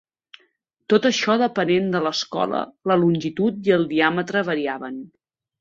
Tot i això, depenent de l'escola la longitud i el diàmetre variaven.